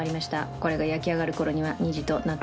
これが焼き上がる頃には２時となっております。